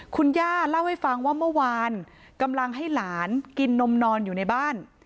คุณย่าเล่าให้ฟังว่าเมื่อวานกำลังให้หลานกินนมนอนอยู่ในบ้าน